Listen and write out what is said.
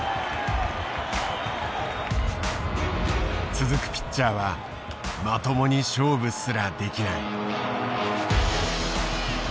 続くピッチャーはまともに勝負すらできない。